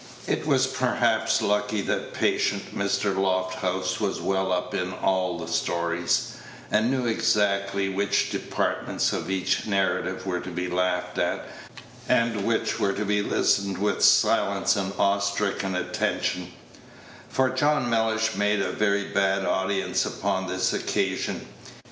It was perhaps lucky that patient Mr. Lofthouse was well up in all the stories, and knew exactly which departments of each narrative were to be laughed at, and which were to be listened to with silent and awe stricken attention; for John Mellish made a very bad audience upon this occasion.